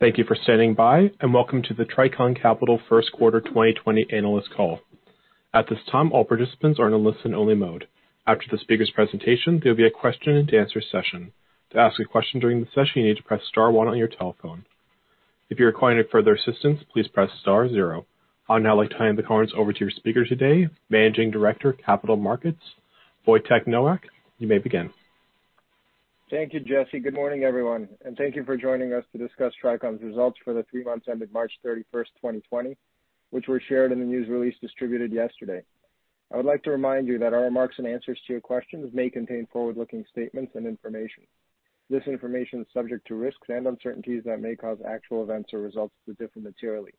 Thank you for standing by, and welcome to the Tricon Residential First Quarter 2020 Analyst Call. At this time, all participants are in a listen only mode. After the speaker's presentation, there'll be a question and answer session. To ask a question during the session, you need to press star one on your telephone. If you require any further assistance, please press star zero. I would now like to hand the conference over to your speaker today, Managing Director of Capital Markets, Wojtek Nowak. You may begin. Thank you, Jesse. Good morning, everyone, and thank you for joining us to discuss Tricon's results for the three months ended March 31st, 2020, which were shared in the news release distributed yesterday. I would like to remind you that our remarks and answers to your questions may contain forward-looking statements and information. This information is subject to risks and uncertainties that may cause actual events or results to differ materially.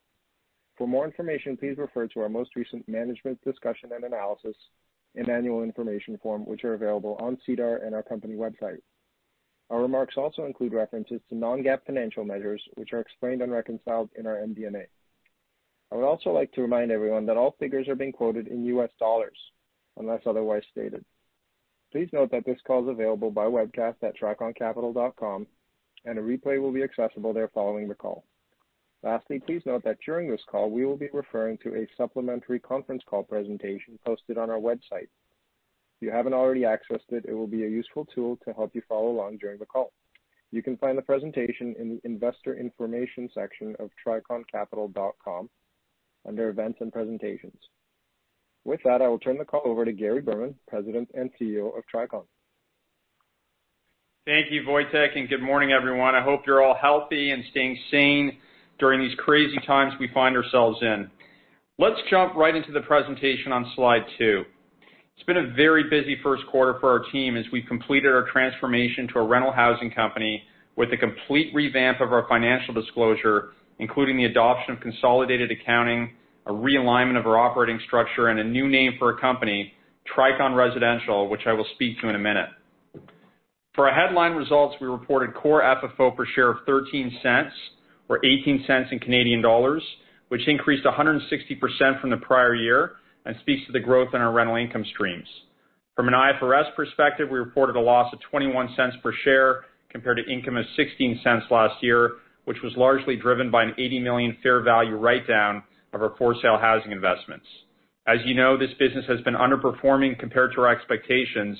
For more information, please refer to our most recent Management Discussion and Analysis and Annual Information Form, which are available on SEDAR and our company website. Our remarks also include references to non-GAAP financial measures, which are explained and reconciled in our MD&A. I would also like to remind everyone that all figures are being quoted in US dollars, unless otherwise stated. Please note that this call is available by webcast at triconresidential.com, and a replay will be accessible there following the call. Lastly, please note that during this call, we will be referring to a supplementary conference call presentation posted on our website. If you haven't already accessed it will be a useful tool to help you follow along during the call. You can find the presentation in the investor information section of triconresidential.com under events and presentations. With that, I will turn the call over to Gary Berman, President and CEO of Tricon. Thank you, Wojtek, and good morning, everyone. I hope you're all healthy and staying sane during these crazy times we find ourselves in. Let's jump right into the presentation on slide two. It's been a very busy first quarter for our team as we completed our transformation to a rental housing company with a complete revamp of our financial disclosure, including the adoption of consolidated accounting, a realignment of our operating structure, and a new name for our company, Tricon Residential, which I will speak to in a minute. For our headline results, we reported core FFO per share of $0.13, or CA$0.18, which increased 160% from the prior year and speaks to the growth in our rental income streams. From an IFRS perspective, we reported a loss of $0.21 per share, compared to income of $0.16 last year, which was largely driven by an $80 million fair value write-down of our for-sale housing investments. As you know, this business has been underperforming compared to our expectations,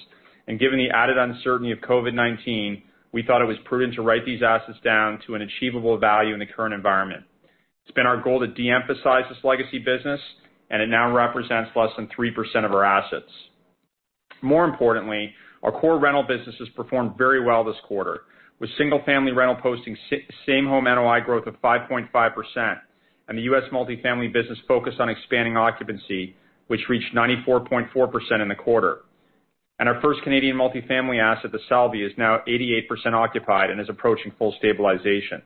and given the added uncertainty of COVID-19, we thought it was prudent to write these assets down to an achievable value in the current environment. It's been our goal to de-emphasize this legacy business, and it now represents less than 3% of our assets. More importantly, our core rental business has performed very well this quarter, with single-family rental posting same home NOI growth of 5.5%, and the US multifamily business focused on expanding occupancy, which reached 94.4% in the quarter. Our first Canadian multifamily asset, The Selby, is now 88% occupied and is approaching full stabilization.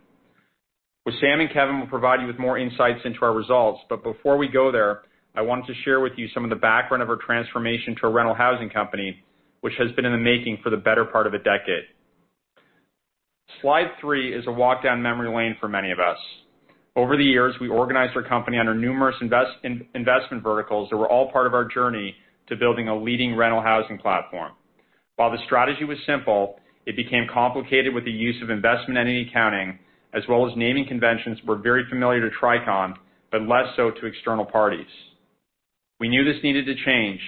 Wissam and Kevin will provide you with more insights into our results. Before we go there, I wanted to share with you some of the background of our transformation to a rental housing company, which has been in the making for the better part of a decade. Slide three is a walk down memory lane for many of us. Over the years, we organized our company under numerous investment verticals that were all part of our journey to building a leading rental housing platform. While the strategy was simple, it became complicated with the use of investment entity accounting, as well as naming conventions that were very familiar to Tricon, but less so to external parties. We knew this needed to change,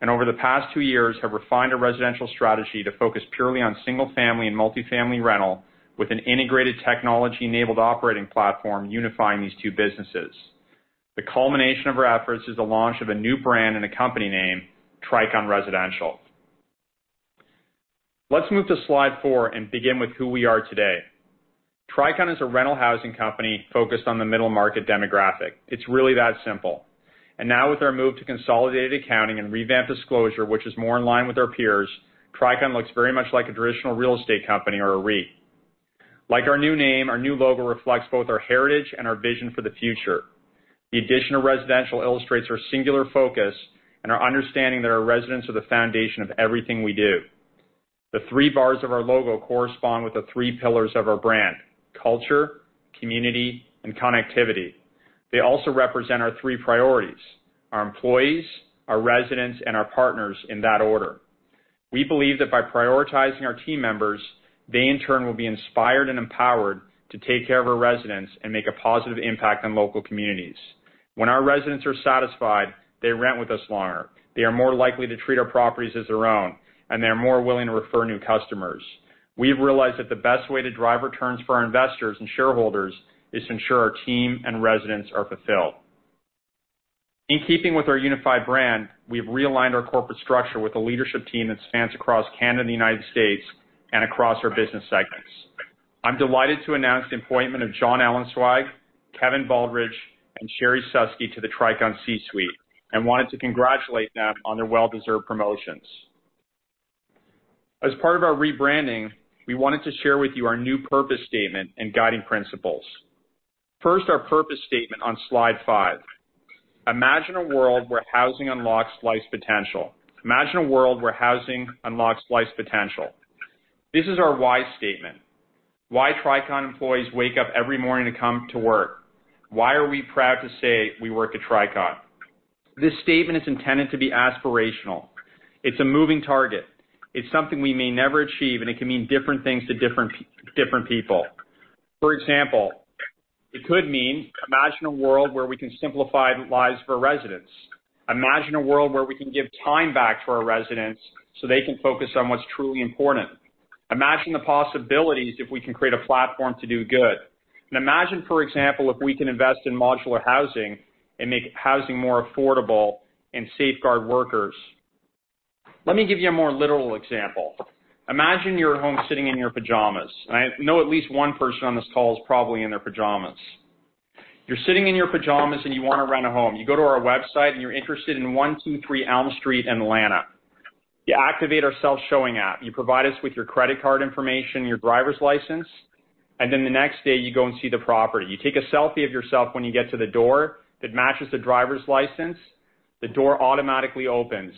and over the past two years have refined our residential strategy to focus purely on single-family and multifamily rental with an integrated technology-enabled operating platform unifying these two businesses. The culmination of our efforts is the launch of a new brand and a company name, Tricon Residential. Let's move to slide four and begin with who we are today. Tricon is a rental housing company focused on the middle market demographic. It's really that simple. Now with our move to consolidated accounting and revamped disclosure, which is more in line with our peers, Tricon looks very much like a traditional real estate company or a REIT. Like our new name, our new logo reflects both our heritage and our vision for the future. The addition of residential illustrates our singular focus and our understanding that our residents are the foundation of everything we do. The three bars of our logo correspond with the three pillars of our brand: culture, community, and connectivity. They also represent our three priorities: our employees, our residents, and our partners, in that order. We believe that by prioritizing our team members, they in turn will be inspired and empowered to take care of our residents and make a positive impact on local communities. When our residents are satisfied, they rent with us longer, they are more likely to treat our properties as their own, and they are more willing to refer new customers. We've realized that the best way to drive returns for our investors and shareholders is to ensure our team and residents are fulfilled. In keeping with our unified brand, we've realigned our corporate structure with a leadership team that spans across Canada and the United States and across our business segments. I'm delighted to announce the appointment of John Ellenzweig, Kevin Baldridge, and Sherrie Suski to the Tricon C-suite and wanted to congratulate them on their well-deserved promotions. As part of our rebranding, we wanted to share with you our new purpose statement and guiding principles. First, our purpose statement on slide five. Imagine a world where housing unlocks life's potential. Imagine a world where housing unlocks life's potential. This is our why statement. Why Tricon employees wake up every morning to come to work. Why are we proud to say we work at Tricon? This statement is intended to be aspirational. It's a moving target. It's something we may never achieve, and it can mean different things to different people. For example, it could mean imagine a world where we can simplify lives for residents. Imagine a world where we can give time back to our residents so they can focus on what's truly important. Imagine the possibilities if we can create a platform to do good. Imagine, for example, if we can invest in modular housing and make housing more affordable and safeguard workers. Let me give you a more literal example. Imagine you're at home sitting in your pajamas. I know at least one person on this call is probably in their pajamas. You're sitting in your pajamas and you want to rent a home. You go to our website, and you're interested in 123 Elm Street, Atlanta. You activate our self-showing app. You provide us with your credit card information, your driver's license, and then the next day you go and see the property. You take a selfie of yourself when you get to the door that matches the driver's license. The door automatically opens.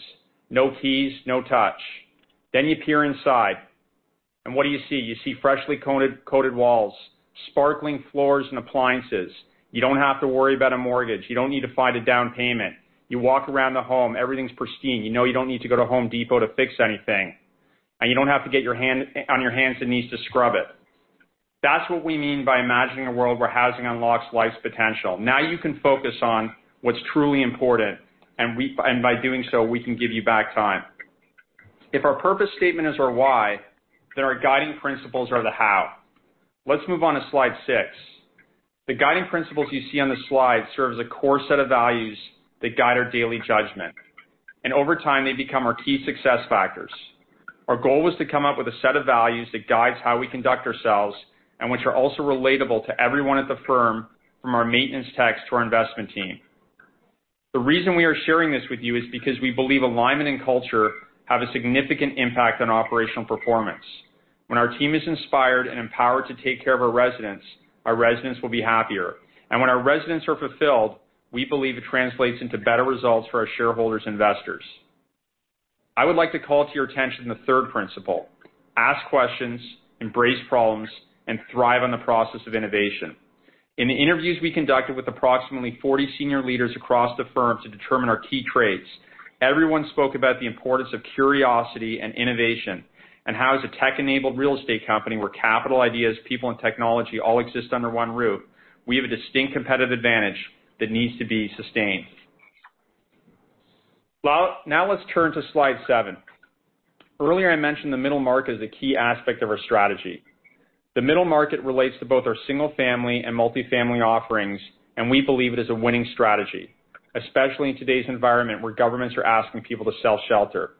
No keys, no touch. You peer inside, and what do you see? You see freshly coated walls, sparkling floors, and appliances. You don't have to worry about a mortgage. You don't need to find a down payment. You walk around the home. Everything's pristine. You know you don't need to go to The Home Depot to fix anything. You don't have to get on your hands and knees to scrub it. That's what we mean by imagining a world where housing unlocks life's potential. Now you can focus on what's truly important, and by doing so, we can give you back time. If our purpose statement is our why, our guiding principles are the how. Let's move on to slide six. The guiding principles you see on this slide serve as a core set of values that guide our daily judgment, and over time, they become our key success factors. Our goal was to come up with a set of values that guides how we conduct ourselves and which are also relatable to everyone at the firm, from our maintenance techs to our investment team. The reason we are sharing this with you is because we believe alignment and culture have a significant impact on operational performance. When our team is inspired and empowered to take care of our residents, our residents will be happier. When our residents are fulfilled, we believe it translates into better results for our shareholders' investors. I would like to call to your attention the third principle, ask questions, embrace problems, and thrive on the process of innovation. In the interviews we conducted with approximately 40 senior leaders across the firm to determine our key traits, everyone spoke about the importance of curiosity and innovation and how as a tech-enabled real estate company where capital ideas, people, and technology all exist under one roof, we have a distinct competitive advantage that needs to be sustained. Let's turn to slide seven. Earlier, I mentioned the middle market as a key aspect of our strategy. The middle market relates to both our single-family and multifamily offerings, and we believe it is a winning strategy, especially in today's environment where governments are asking people to self-shelter.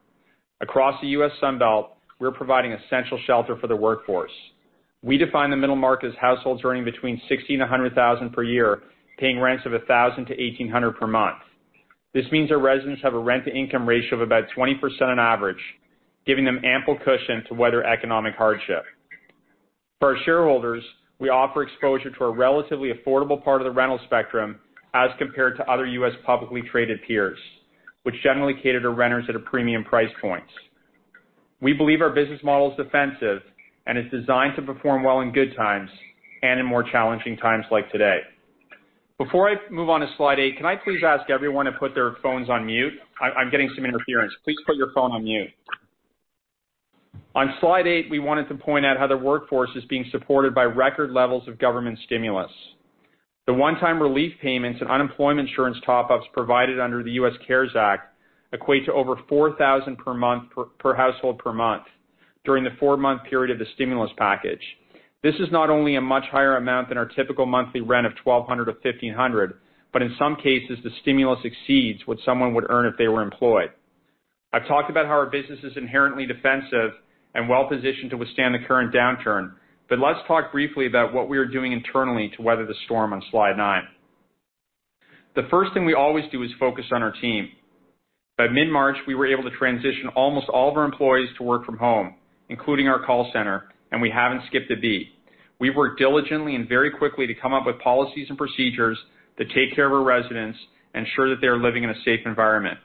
Across the U.S. Sun Belt, we're providing essential shelter for the workforce. We define the middle market as households earning between $60,000 and $100,000 per year, paying rents of $1,000-$1,800 per month. This means our residents have a rent-to-income ratio of about 20% on average, giving them ample cushion to weather economic hardship. For our shareholders, we offer exposure to a relatively affordable part of the rental spectrum as compared to other U.S. publicly traded peers, which generally cater to renters at premium price points. We believe our business model is defensive and is designed to perform well in good times and in more challenging times like today. Before I move on to slide eight, can I please ask everyone to put their phones on mute? I'm getting some interference. Please put your phone on mute. On slide eight, we wanted to point out how the workforce is being supported by record levels of government stimulus. The one-time relief payments and unemployment insurance top-ups provided under the U.S. CARES Act equate to over $4,000 per household per month during the four-month period of the stimulus package. This is not only a much higher amount than our typical monthly rent of $1,200-$1,500, but in some cases, the stimulus exceeds what someone would earn if they were employed. I've talked about how our business is inherently defensive and well-positioned to withstand the current downturn, but let's talk briefly about what we are doing internally to weather the storm on slide 9. The first thing we always do is focus on our team. By mid-March, we were able to transition almost all of our employees to work from home, including our call center, and we haven't skipped a beat. We worked diligently and very quickly to come up with policies and procedures that take care of our residents and ensure that they are living in a safe environment.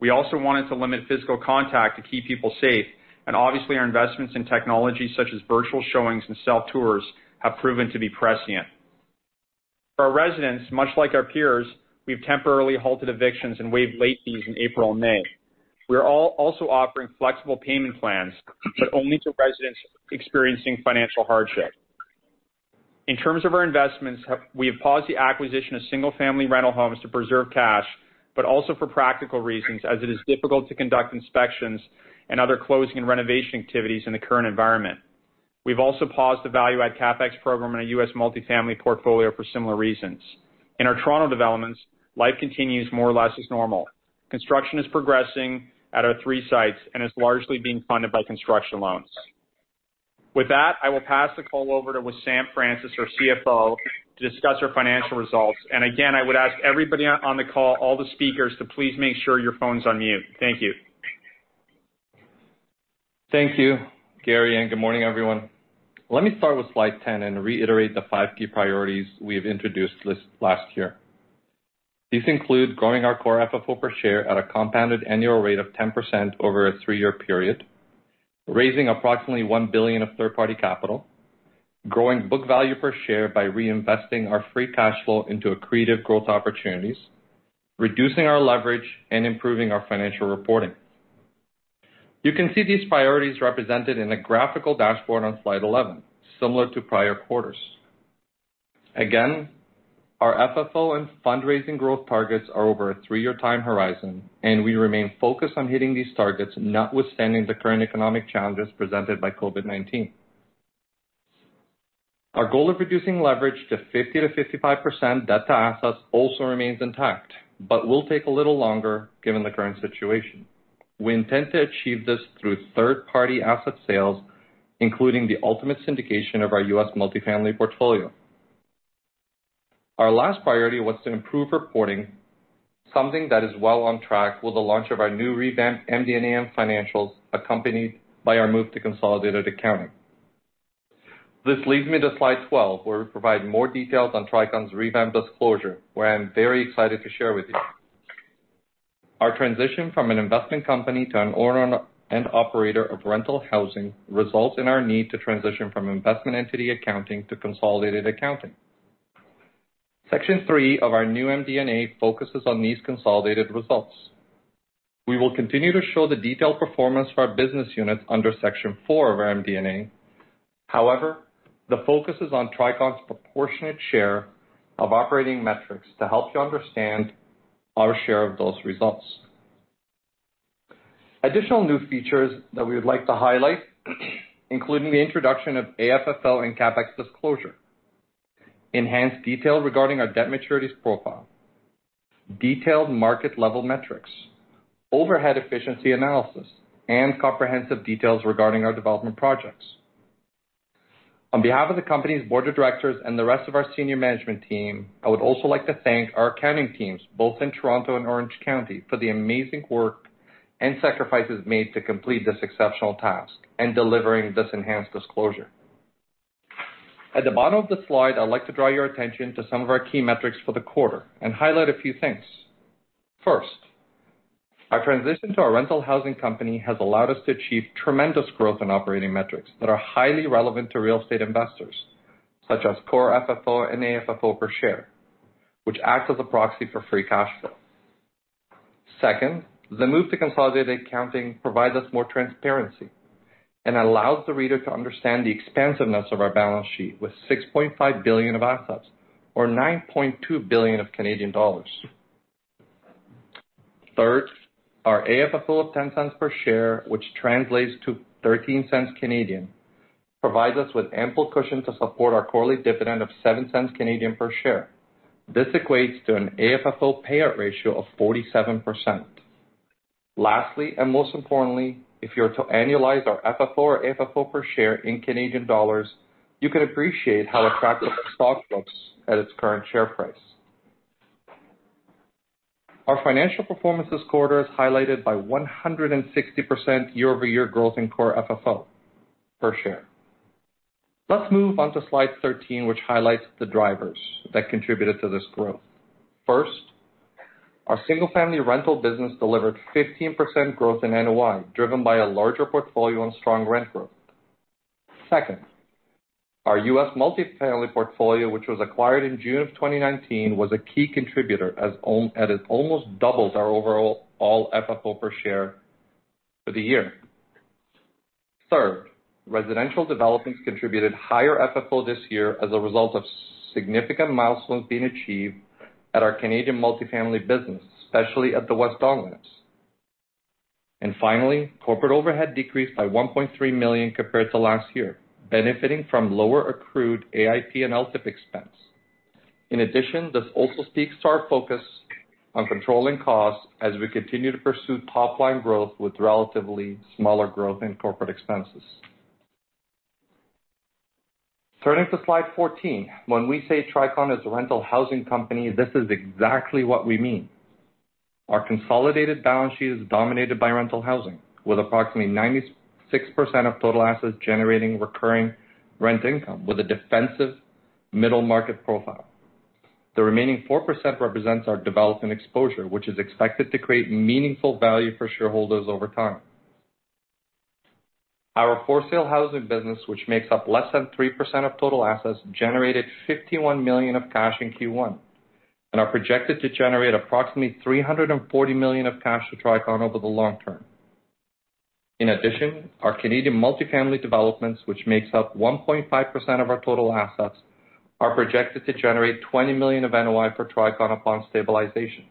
We also wanted to limit physical contact to keep people safe, and obviously, our investments in technology such as virtual showings and self-tours have proven to be prescient. For our residents, much like our peers, we've temporarily halted evictions and waived late fees in April and May. We are also offering flexible payment plans, but only to residents experiencing financial hardship. In terms of our investments, we have paused the acquisition of single-family rental homes to preserve cash, but also for practical reasons as it is difficult to conduct inspections and other closing and renovation activities in the current environment. We've also paused the value add CapEx program in our U.S. multifamily portfolio for similar reasons. In our Toronto developments, life continues more or less as normal. Construction is progressing at our three sites and is largely being funded by construction loans. With that, I will pass the call over to Wissam Francis, our CFO, to discuss our financial results. Again, I would ask everybody on the call, all the speakers, to please make sure your phone's on mute. Thank you. Thank you, Gary, and good morning, everyone. Let me start with slide 10 and reiterate the five key priorities we have introduced last year. These include growing our core FFO per share at a compounded annual rate of 10% over a three-year period, raising approximately $1 billion of third-party capital. Growing book value per share by reinvesting our free cash flow into accretive growth opportunities, reducing our leverage, and improving our financial reporting. You can see these priorities represented in a graphical dashboard on slide 11, similar to prior quarters. Again, our FFO and fundraising growth targets are over a three-year time horizon, and we remain focused on hitting these targets notwithstanding the current economic challenges presented by COVID-19. Our goal of reducing leverage to 50%-55% debt to assets also remains intact, but will take a little longer given the current situation. We intend to achieve this through third-party asset sales, including the ultimate syndication of our U.S. multifamily portfolio. Our last priority was to improve reporting, something that is well on track with the launch of our new revamped MD&A and financials, accompanied by our move to consolidated accounting. This leads me to slide 12, where we provide more details on Tricon's revamped disclosure, where I'm very excited to share with you. Our transition from an investment company to an owner and operator of rental housing results in our need to transition from investment entity accounting to consolidated accounting. Section three of our new MD&A focuses on these consolidated results. We will continue to show the detailed performance for our business units under section four of our MD&A. The focus is on Tricon's proportionate share of operating metrics to help you understand our share of those results. Additional new features that we would like to highlight, including the introduction of AFFO and CapEx disclosure, enhanced detail regarding our debt maturities profile, detailed market level metrics, overhead efficiency analysis, and comprehensive details regarding our development projects. On behalf of the company's board of directors and the rest of our senior management team, I would also like to thank our accounting teams, both in Toronto and Orange County, for the amazing work and sacrifices made to complete this exceptional task and delivering this enhanced disclosure. At the bottom of the slide, I'd like to draw your attention to some of our key metrics for the quarter and highlight a few things. First, our transition to a rental housing company has allowed us to achieve tremendous growth in operating metrics that are highly relevant to real estate investors, such as core FFO and AFFO per share, which acts as a proxy for free cash flow. Second, the move to consolidated accounting provides us more transparency and allows the reader to understand the expansiveness of our balance sheet with $6.5 billion of assets or CAD 9.2 billion. Third, our AFFO of $0.10 per share, which translates to 0.13, provides us with ample cushion to support our quarterly dividend of 0.07 per share. This equates to an AFFO payout ratio of 47%. Lastly, most importantly, if you were to annualize our FFO or AFFO per share in CAD, you can appreciate how attractive the stock looks at its current share price. Our financial performance this quarter is highlighted by 160% year-over-year growth in core FFO per share. Let's move on to slide 13, which highlights the drivers that contributed to this growth. First, our single-family rental business delivered 15% growth in NOI, driven by a larger portfolio and strong rent growth. Second, our U.S. multifamily portfolio, which was acquired in June of 2019, was a key contributor as it almost doubles our overall FFO per share for the year. Third, residential developments contributed higher FFO this year as a result of significant milestones being achieved at our Canadian multifamily business, especially at the West Don Lands. Finally, corporate overhead decreased by $1.3 million compared to last year, benefiting from lower accrued AIP and LTIP expense. This also speaks to our focus on controlling costs as we continue to pursue top-line growth with relatively smaller growth in corporate expenses. Turning to slide 14. When we say Tricon is a rental housing company, this is exactly what we mean. Our consolidated balance sheet is dominated by rental housing, with approximately 96% of total assets generating recurring rent income with a defensive middle market profile. The remaining 4% represents our development exposure, which is expected to create meaningful value for shareholders over time. Our for-sale housing business, which makes up less than 3% of total assets, generated $51 million of cash in Q1 and are projected to generate approximately $340 million of cash to Tricon over the long term. Our Canadian multifamily developments, which makes up 1.5% of our total assets, are projected to generate $20 million of NOI for Tricon upon stabilization.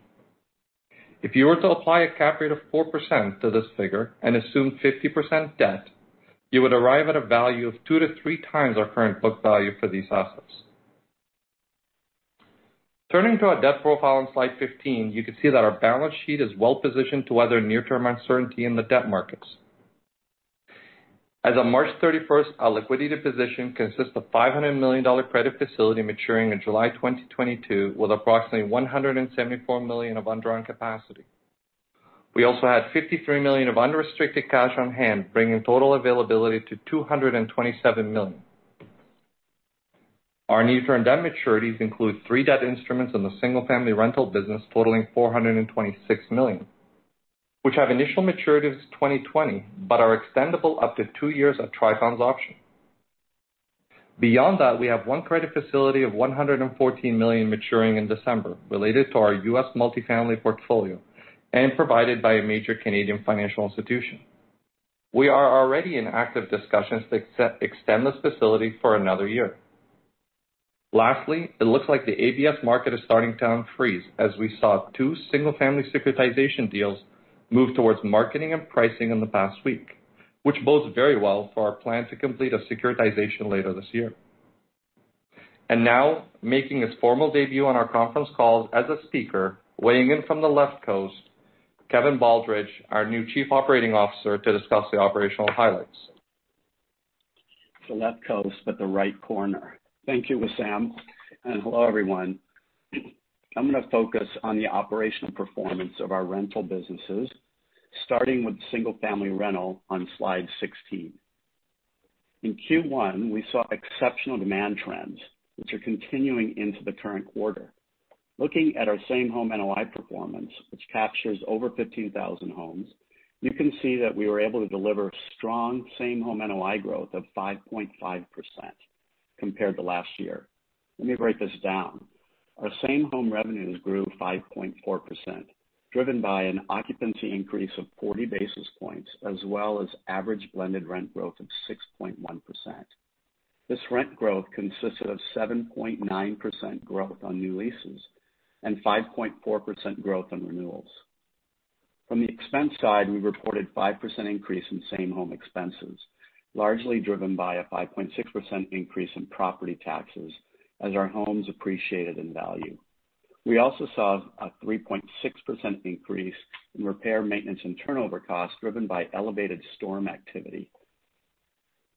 If you were to apply a cap rate of 4% to this figure and assume 50% debt, you would arrive at a value of two to three times our current book value for these assets. Turning to our debt profile on slide 15, you can see that our balance sheet is well positioned to weather near-term uncertainty in the debt markets. As of March 31st, our liquidity position consists of $500 million credit facility maturing in July 2022, with approximately $174 million of undrawn capacity. We also had $53 million of unrestricted cash on hand, bringing total availability to $227 million. Our near-term debt maturities include three debt instruments in the single-family rental business totaling $426 million. Which have initial maturities 2020, but are extendable up to two years at Tricon's option. Beyond that, we have one credit facility of $114 million maturing in December, related to our U.S. multifamily portfolio and provided by a major Canadian financial institution. We are already in active discussions to extend this facility for another year. Lastly, it looks like the ABS market is starting to unfreeze as we saw two single-family securitization deals move towards marketing and pricing in the past week, which bodes very well for our plan to complete a securitization later this year. Now, making his formal debut on our conference call as a speaker, weighing in from the left coast, Kevin Baldridge, our new Chief Operating Officer, to discuss the operational highlights. The left coast, but the right corner. Thank you, Wissam, and hello, everyone. I'm going to focus on the operational performance of our rental businesses, starting with single-family rental on slide 16. In Q1, we saw exceptional demand trends, which are continuing into the current quarter. Looking at our same-home NOI performance, which captures over 15,000 homes, you can see that we were able to deliver strong same-home NOI growth of 5.5% compared to last year. Let me break this down. Our same-home revenues grew 5.4%, driven by an occupancy increase of 40 basis points, as well as average blended rent growth of 6.1%. This rent growth consisted of 7.9% growth on new leases and 5.4% growth on renewals. From the expense side, we reported 5% increase in same-home expenses, largely driven by a 5.6% increase in property taxes as our homes appreciated in value. We also saw a 3.6% increase in repair, maintenance, and turnover costs driven by elevated storm activity.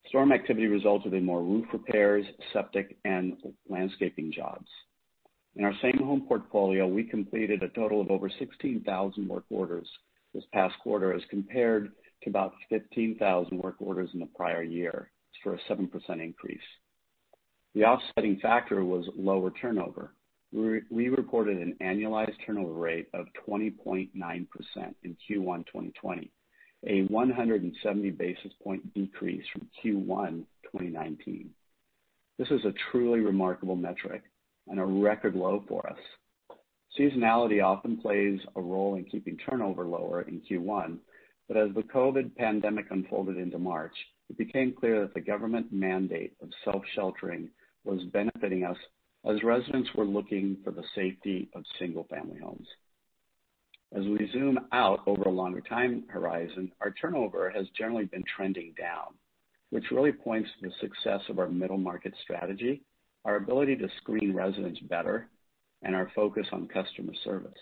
Storm activity results will be more roof repairs, septic, and landscaping jobs. In our same-home portfolio, we completed a total of over 16,000 work orders this past quarter as compared to about 15,000 work orders in the prior year. For a 7% increase. The offsetting factor was lower turnover. We reported an annualized turnover rate of 20.9% in Q1 2020, a 170 basis point decrease from Q1 2019. This is a truly remarkable metric and a record low for us. Seasonality often plays a role in keeping turnover lower in Q1, but as the COVID-19 pandemic unfolded into March, it became clear that the government mandate of self-sheltering was benefiting us as residents were looking for the safety of single-family homes. As we zoom out over a longer time horizon, our turnover has generally been trending down, which really points to the success of our middle-market strategy, our ability to screen residents better, and our focus on customer service.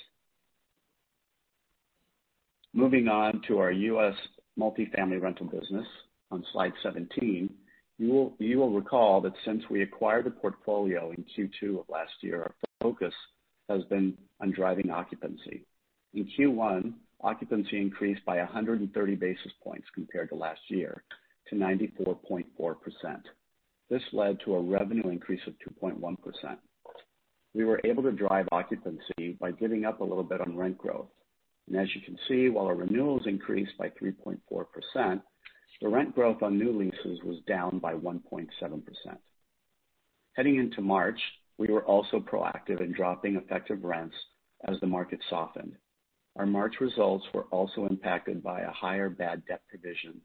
Moving on to our US multifamily rental business on slide 17. You will recall that since we acquired the portfolio in Q2 of last year, our focus has been on driving occupancy. In Q1, occupancy increased by 130 basis points compared to last year to 94.4%. This led to a revenue increase of 2.1%. We were able to drive occupancy by giving up a little bit on rent growth. As you can see, while our renewals increased by 3.4%, the rent growth on new leases was down by 1.7%. Heading into March, we were also proactive in dropping effective rents as the market softened. Our March results were also impacted by a higher bad debt provision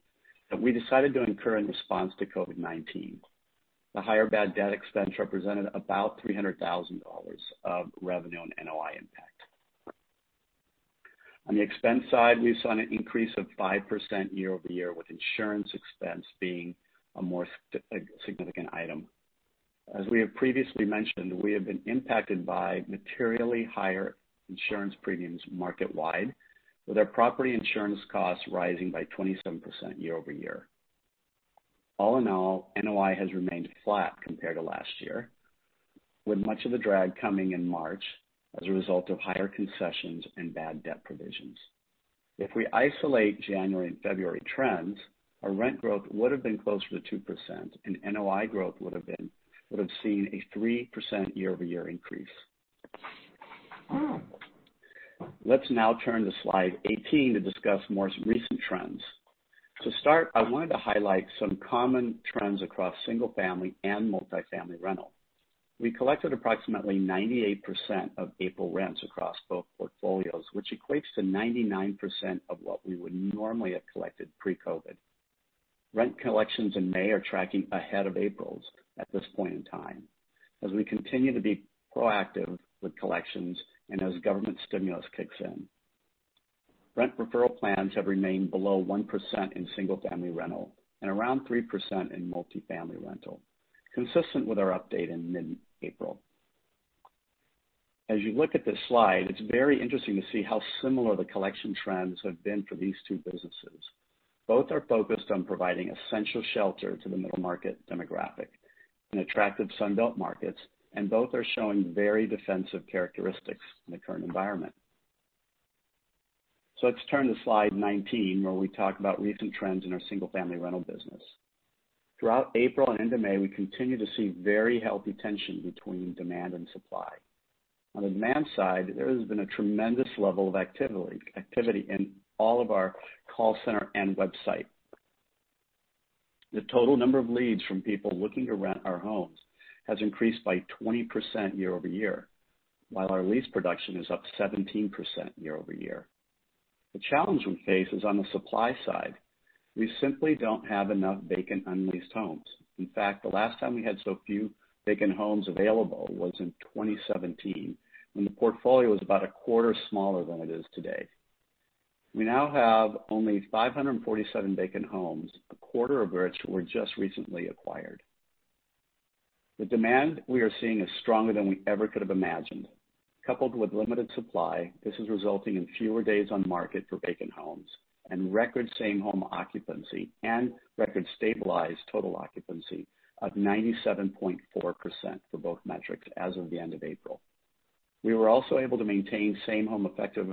that we decided to incur in response to COVID-19. The higher bad debt expense represented about $300,000 of revenue and NOI impact. On the expense side, we saw an increase of 5% year-over-year, with insurance expense being a more significant item. As we have previously mentioned, we have been impacted by materially higher insurance premiums market-wide, with our property insurance costs rising by 27% year-over-year. All in all, NOI has remained flat compared to last year, with much of the drag coming in March as a result of higher concessions and bad debt provisions. If we isolate January and February trends, our rent growth would have been closer to 2%, and NOI growth would have seen a 3% year-over-year increase. Let's now turn to slide 18 to discuss more recent trends. To start, I wanted to highlight some common trends across single-family and multifamily rental. We collected approximately 98% of April rents across both portfolios, which equates to 99% of what we would normally have collected pre-COVID. Rent collections in May are tracking ahead of April's at this point in time, as we continue to be proactive with collections and as government stimulus kicks in. Rent referral plans have remained below 1% in single-family rental and around 3% in multifamily rental, consistent with our update in mid-April. As you look at this slide, it's very interesting to see how similar the collection trends have been for these two businesses. Both are focused on providing essential shelter to the middle-market demographic in attractive Sun Belt markets, and both are showing very defensive characteristics in the current environment. Let's turn to slide 19, where we talk about recent trends in our single-family rental business. Throughout April and into May, we continued to see very healthy tension between demand and supply. On the demand side, there has been a tremendous level of activity in all of our call center and website. The total number of leads from people looking to rent our homes has increased by 20% year-over-year, while our lease production is up 17% year-over-year. The challenge we face is on the supply side. We simply don't have enough vacant, unleased homes. In fact, the last time we had so few vacant homes available was in 2017, when the portfolio was about a quarter smaller than it is today. We now have only 547 vacant homes, a quarter of which were just recently acquired. The demand we are seeing is stronger than we ever could have imagined. Coupled with limited supply, this is resulting in fewer days on market for vacant homes and record same-home occupancy and record stabilized total occupancy of 97.4% for both metrics as of the end of April. We were also able to maintain same-home effective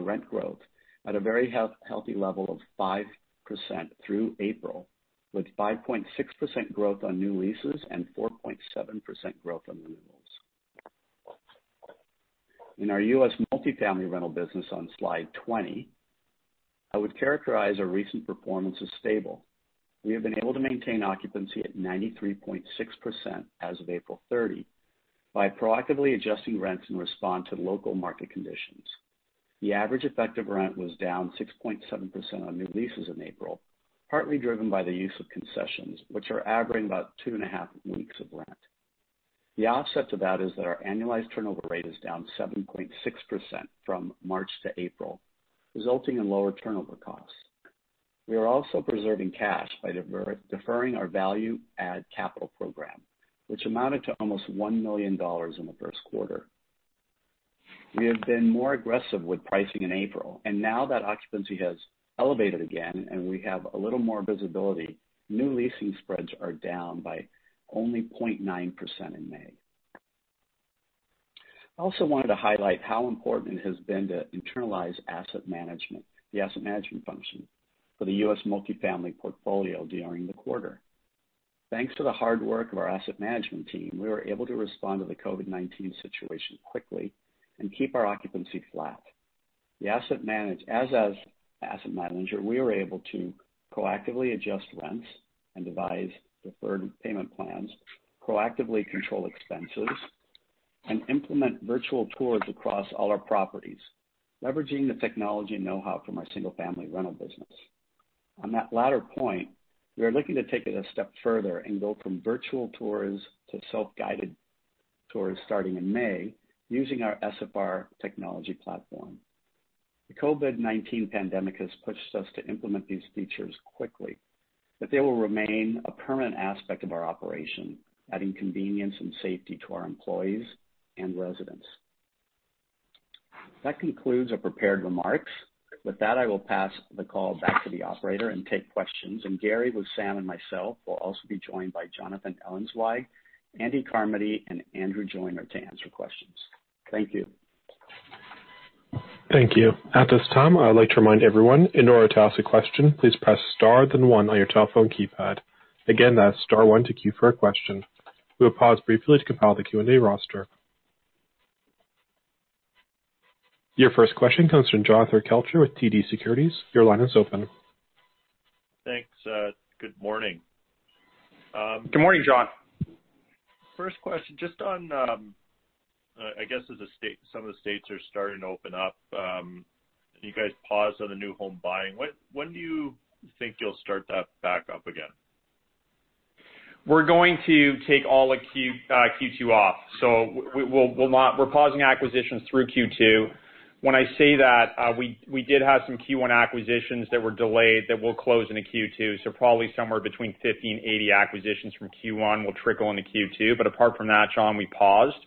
rent growth at a very healthy level of 5% through April, with 5.6% growth on new leases and 4.7% growth on renewals. In our U.S. multifamily rental business on slide 20, I would characterize our recent performance as stable. We have been able to maintain occupancy at 93.6% as of April 30 by proactively adjusting rents in response to local market conditions. The average effective rent was down 6.7% on new leases in April, partly driven by the use of concessions, which are averaging about two and a half weeks of rent. The offset to that is that our annualized turnover rate is down 7.6% from March to April, resulting in lower turnover costs. We are also preserving cash by deferring our value-add capital program, which amounted to almost $1 million in the first quarter. We have been more aggressive with pricing in April, and now that occupancy has elevated again, and we have a little more visibility, new leasing spreads are down by only 0.9% in May. I also wanted to highlight how important it has been to internalize the asset management function for the U.S. multifamily portfolio during the quarter. Thanks to the hard work of our asset management team, we were able to respond to the COVID-19 situation quickly and keep our occupancy flat. As asset manager, we were able to proactively adjust rents and devise deferred payment plans, proactively control expenses, and implement virtual tours across all our properties, leveraging the technology knowhow from our single-family rental business. On that latter point, we are looking to take it a step further and go from virtual tours to self-guided tours starting in May, using our SFR technology platform. The COVID-19 pandemic has pushed us to implement these features quickly, but they will remain a permanent aspect of our operation, adding convenience and safety to our employees and residents. That concludes our prepared remarks. With that, I will pass the call back to the operator and take questions. Gary, Wissam and myself, we'll also be joined by Jonathan Ellenzweig, Andy Carmody, and Andrew Joyner to answer questions. Thank you. Thank you. At this time, I would like to remind everyone, in order to ask a question, please press star then one on your telephone keypad. Again, that's star one to queue for a question. We will pause briefly to compile the Q&A roster. Your first question comes from Jonathan Kelcher with TD Securities. Your line is open. Thanks. Good morning. Good morning, John. First question, just on, I guess as some of the states are starting to open up, and you guys paused on the new home buying. When do you think you'll start that back up again? We're going to take all of Q2 off. We're pausing acquisitions through Q2. When I say that, we did have some Q1 acquisitions that were delayed that will close into Q2, so probably somewhere between 50 and 80 acquisitions from Q1 will trickle into Q2. Apart from that, Jon, we paused.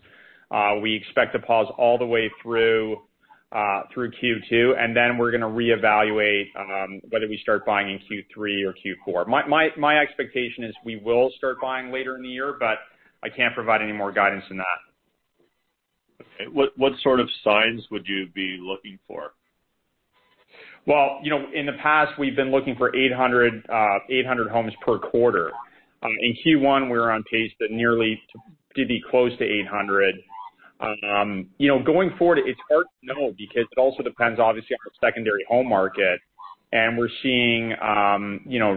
We expect to pause all the way through Q2. We're going to reevaluate whether we start buying in Q3 or Q4. My expectation is we will start buying later in the year, but I can't provide any more guidance than that. Okay. What sort of signs would you be looking for? Well, in the past, we've been looking for 800 homes per quarter. In Q1, we were on pace to be close to 800. Going forward, it's hard to know because it also depends, obviously, on the secondary home market, and we're seeing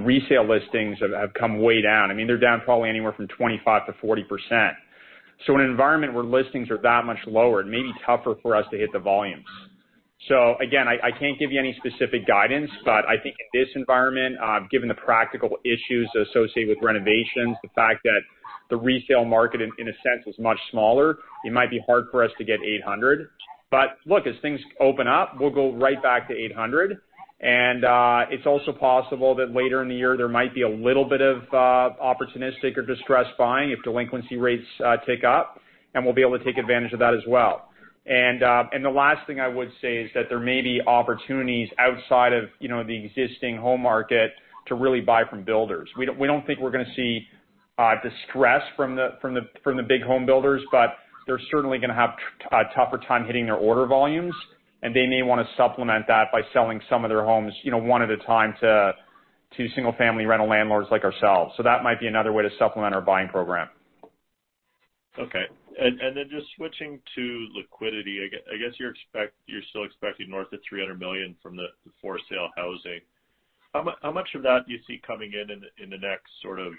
resale listings have come way down. They're down probably anywhere from 25%-40%. In an environment where listings are that much lower, it may be tougher for us to hit the volumes. Again, I can't give you any specific guidance, but I think in this environment, given the practical issues associated with renovations, the fact that the resale market in a sense is much smaller, it might be hard for us to get 800. Look, as things open up, we'll go right back to 800, and it's also possible that later in the year, there might be a little bit of opportunistic or distressed buying if delinquency rates tick up, and we'll be able to take advantage of that as well. The last thing I would say is that there may be opportunities outside of the existing home market to really buy from builders. We don't think we're going to see Distress from the big home builders, but they're certainly going to have a tougher time hitting their order volumes, and they may want to supplement that by selling some of their homes, one at a time to single-family rental landlords like ourselves. That might be another way to supplement our buying program. Okay. Just switching to liquidity, I guess you're still expecting north of $300 million from the for-sale housing. How much of that do you see coming in the next sort of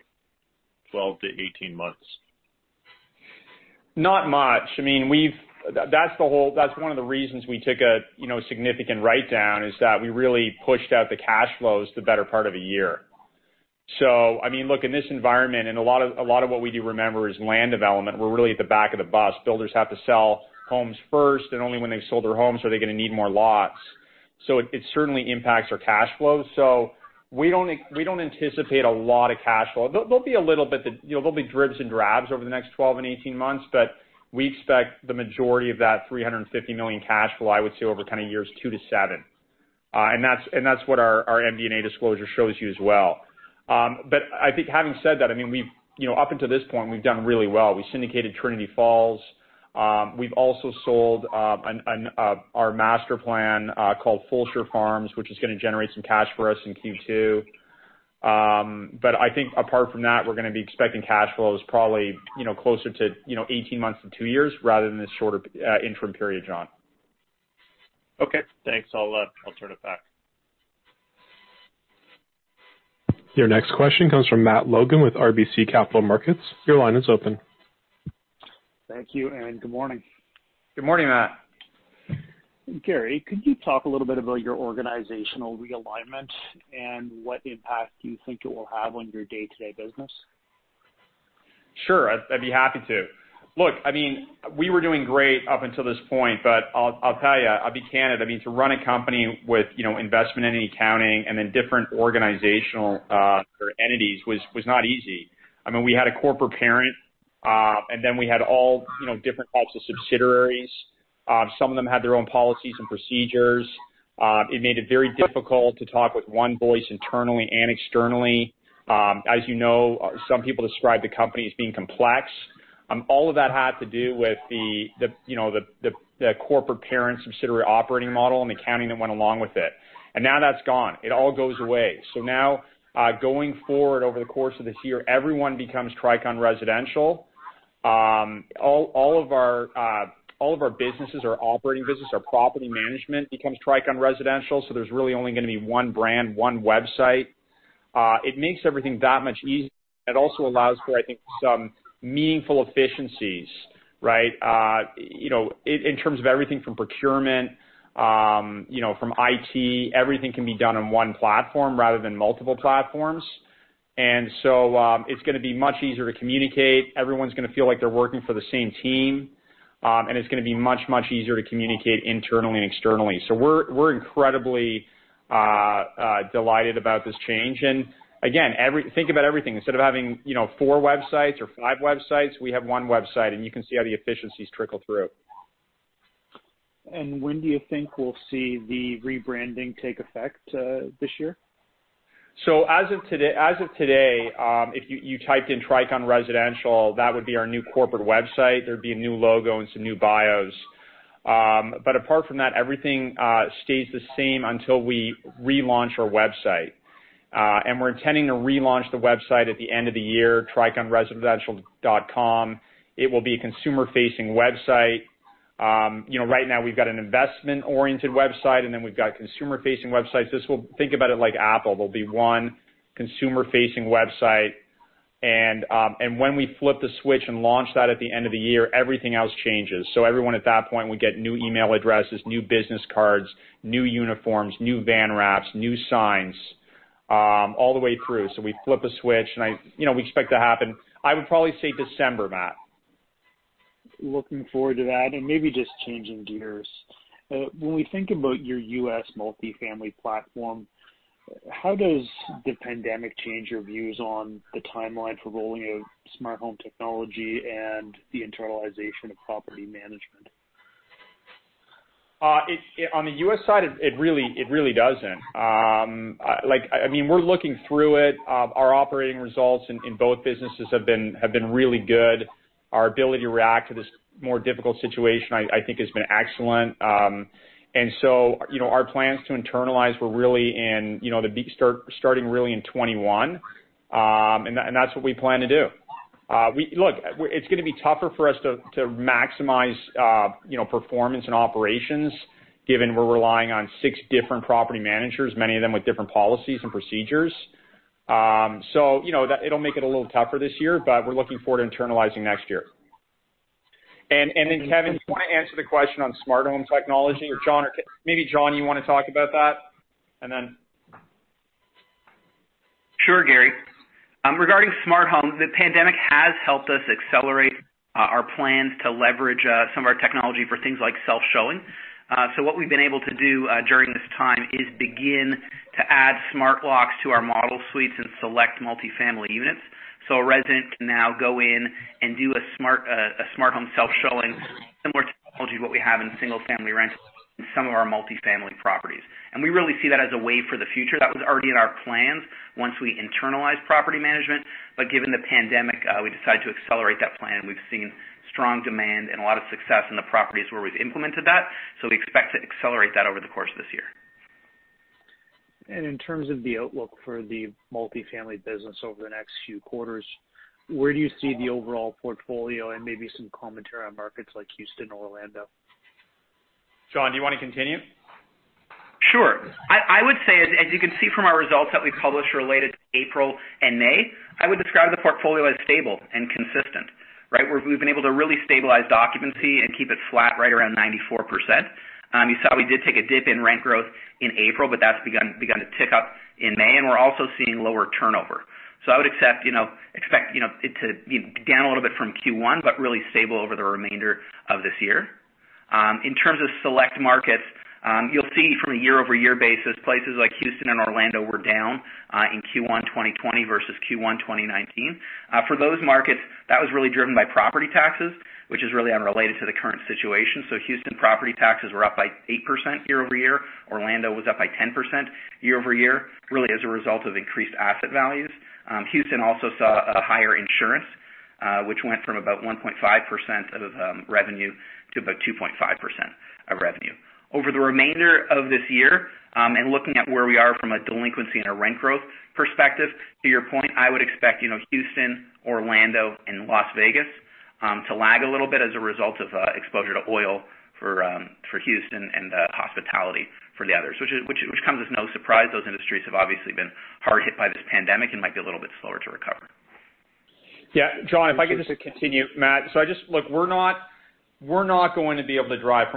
12 to 18 months? Not much. That's one of the reasons we took a significant write-down is that we really pushed out the cash flows the better part of a year. Look, in this environment, and a lot of what we do remember is land development. We're really at the back of the bus. Builders have to sell homes first, and only when they've sold their homes are they going to need more lots. It certainly impacts our cash flow. We don't anticipate a lot of cash flow. There'll be dribs and drabs over the next 12 and 18 months, but we expect the majority of that $350 million cash flow, I would say, over kind of years two to seven. That's what our MD&A disclosure shows you as well. I think having said that, up until this point, we've done really well. We syndicated Trinity Falls. We've also sold our master plan, called Fulshear Farms, which is going to generate some cash for us in Q2. I think apart from that, we're going to be expecting cash flows probably closer to 18 months to two years rather than this shorter interim period, John. Okay, thanks. I'll turn it back. Your next question comes from Matt Logan with RBC Capital Markets. Your line is open. Thank you, and good morning. Good morning, Matt. Gary, could you talk a little bit about your organizational realignment and what impact you think it will have on your day-to-day business? Sure, I'd be happy to. Look, we were doing great up until this point, but I'll tell you, I'll be candid. To run a company with investment entity accounting and then different organizational entities was not easy. We had a corporate parent, and then we had all different types of subsidiaries. Some of them had their own policies and procedures. It made it very difficult to talk with one voice internally and externally. As you know, some people describe the company as being complex. All of that had to do with the corporate parent subsidiary operating model and accounting that went along with it. Now that's gone. It all goes away. Now, going forward over the course of this year, everyone becomes Tricon Residential. All of our businesses, our operating business, our property management becomes Tricon Residential, so there's really only going to be one brand, one website. It makes everything that much easier, and it also allows for, I think, some meaningful efficiencies, right? In terms of everything from procurement, from IT, everything can be done on one platform rather than multiple platforms. It's going to be much easier to communicate. Everyone's going to feel like they're working for the same team. It's going to be much easier to communicate internally and externally. We're incredibly delighted about this change. Again, think about everything. Instead of having four websites or five websites, we have one website, and you can see how the efficiencies trickle through. When do you think we'll see the rebranding take effect this year? As of today, if you typed in Tricon Residential, that would be our new corporate website. There'd be a new logo and some new bios. But apart from that, everything stays the same until we relaunch our website. We're intending to relaunch the website at the end of the year, triconresidential.com. It will be a consumer-facing website. Right now we've got an investment-oriented website, and then we've got consumer-facing websites. Think about it like Apple. There'll be one consumer-facing website, and when we flip the switch and launch that at the end of the year, everything else changes. Everyone at that point would get new email addresses, new business cards, new uniforms, new van wraps, new signs, all the way through. We flip a switch, and we expect to happen, I would probably say December, Matt. Looking forward to that. Maybe just changing gears. When we think about your U.S. multifamily platform, how does the pandemic change your views on the timeline for rolling out smart home technology and the internalization of property management? On the U.S. side, it really doesn't. We're looking through it. Our operating results in both businesses have been really good. Our ability to react to this more difficult situation, I think, has been excellent. Our plans to internalize were really starting really in 2021. That's what we plan to do. Look, it's going to be tougher for us to maximize performance and operations given we're relying on six different property managers, many of them with different policies and procedures. It'll make it a little tougher this year, but we're looking forward to internalizing next year. Kevin, do you want to answer the question on smart home technology? Or maybe John, you want to talk about that? Sure, Gary. Regarding smart homes, the pandemic has helped us accelerate our plans to leverage some of our technology for things like self-showing. What we've been able to do during this time is begin to add smart locks to our model suites and select multifamily units. A resident can now go in and do a smart home self-showing similar to what we have in single-family rentals and some of our multifamily properties. We really see that as a way for the future. That was already in our plans once we internalize property management, but given the pandemic, we decided to accelerate that plan. We've seen strong demand and a lot of success in the properties where we've implemented that, so we expect to accelerate that over the course of this year. In terms of the outlook for the multifamily business over the next few quarters, where do you see the overall portfolio and maybe some commentary on markets like Houston or Orlando? John, do you want to continue? Sure. I would say, as you can see from our results that we published related to April and May, I would describe the portfolio as stable and consistent. Right? We've been able to really stabilize occupancy and keep it flat right around 94%. You saw we did take a dip in rent growth in April, but that's begun to tick up in May, and we're also seeing lower turnover. I would expect it to down a little bit from Q1, but really stable over the remainder of this year. In terms of select markets, you'll see from a year-over-year basis, places like Houston and Orlando were down, in Q1 2020 versus Q1 2019. For those markets, that was really driven by property taxes, which is really unrelated to the current situation. Houston property taxes were up by 8% year-over-year. Orlando was up by 10% year-over-year, really as a result of increased asset values. Houston also saw a higher insurance, which went from about 1.5% of revenue to about 2.5% of revenue. Over the remainder of this year, and looking at where we are from a delinquency and a rent growth perspective, to your point, I would expect Houston, Orlando, and Las Vegas to lag a little bit as a result of exposure to oil for Houston and hospitality for the others, which comes as no surprise. Those industries have obviously been hard hit by this pandemic and might be a little bit slower to recover. Yeah. John, if I could just continue. Matt, look, From